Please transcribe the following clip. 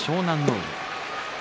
海。